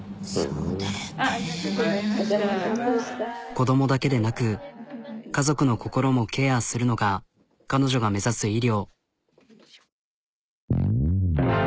子供だけでなく家族の心もケアするのが彼女が目指す医療。